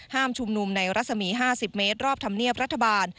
ชุมนุมในรัศมี๕๐เมตรรอบธรรมเนียบรัฐบาล